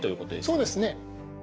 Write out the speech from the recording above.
そうですね。